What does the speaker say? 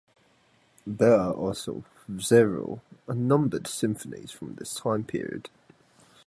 There are also several "unnumbered" symphonies from this time period.